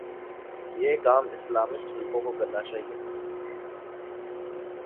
یہ کام اسلامسٹ حلقوں کوکرنا چاہیے۔